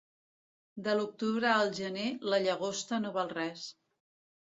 De l'octubre al gener, la llagosta no val res.